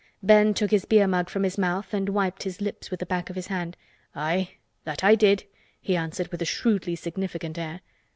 Ben took his beer mug from his mouth and wiped his lips with the back of his hand. "Aye, that I did," he answered with a shrewdly significant air.